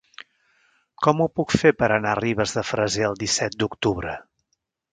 Com ho puc fer per anar a Ribes de Freser el disset d'octubre?